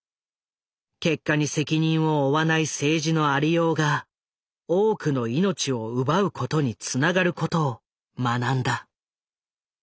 結果に責任を負わない政治のありようが多くの命を奪うことにつながることを学んだ。